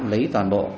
lấy toàn bộ